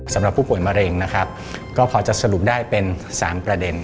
สำหรับผู้ป่วยมะเร็งนะครับก็พอจะสรุปได้เป็น๓ประเด็น